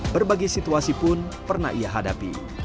berbagai situasi pun pernah ia hadapi